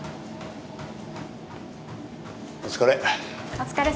お疲れ。